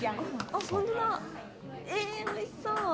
おいしそう。